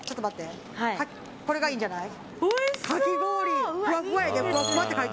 これがいいんじゃない？